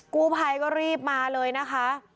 กู้ภัยก็รีบมาเลยนะคะ